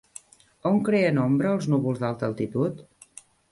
On creen ombra els núvols d'alta altitud?